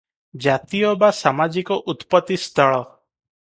ଜାତୀୟ ବା ସାମାଜିକ ଉତ୍ପତ୍ତିସ୍ଥଳ ।